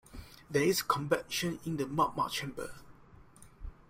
There is convection in the magma chamber.